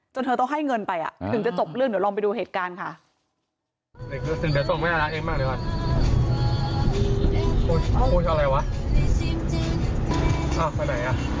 เธอต้องให้เงินไปถึงจะจบเรื่องเดี๋ยวลองไปดูเหตุการณ์ค่ะ